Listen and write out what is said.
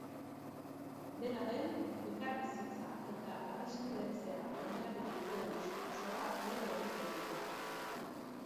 Dena den, elkarbizitza eta adiskidetzea oinarri dituen diskurtsoa bere egiten dute.